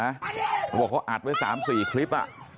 เขาบอกเขาอัดไว้๓๔คลิป